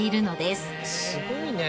すごいね。